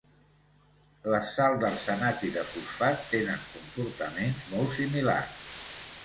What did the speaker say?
Les sal d'arsenat i de fosfat tenen comportaments molt similars.